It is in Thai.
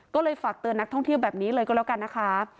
ก็เลยฝากเตือนนักท่องเที่ยวแบบนี้เลยก็แล้วกันนะคะ